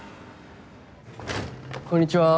こんにちは。